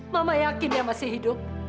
mama yakin dia masih hidup